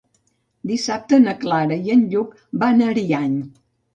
Dissabte na Clara i en Lluc van a Ariany.